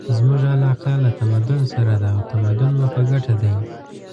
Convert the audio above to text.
زموږ علاقه له تمدن سره ده او تمدن مو په ګټه دی.